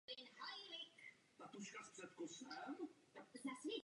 A to je ještě čeká společná večeře.